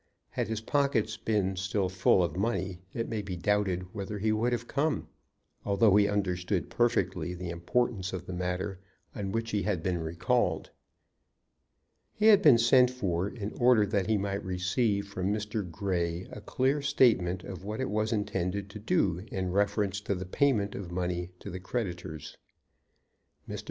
Had his pocket been still full of money it may be doubted whether he would have come, although he understood perfectly the importance of the matter on which he had been recalled. He had been sent for in order that he might receive from Mr. Grey a clear statement of what it was intended to do in reference to the payment of money to the creditors. Mr.